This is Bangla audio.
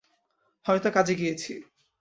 হয়তো কাজে গিয়েছি।